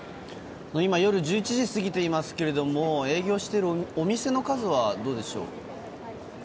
今、夜１１時を過ぎていますが営業しているお店の数はどうでしょうか？